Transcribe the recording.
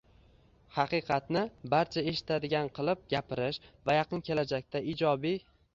haqiqatni barcha eshitadigan qilib gapirish va yaqin kelajakda ijobiy